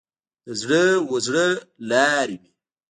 د زړه و زړه لار وي.